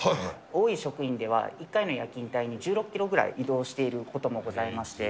多い職員では、１回の夜勤帯に１６キロぐらい移動していることもございまして。